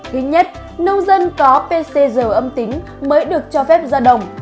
thứ nhất nông dân có pcr âm tính mới được cho phép ra đồng